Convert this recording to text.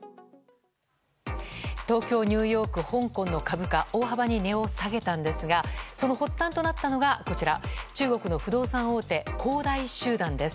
東京、ニューヨーク香港の株価大幅に値を下げたんですがその発端となったのがこちら、中国の不動産大手恒大集団です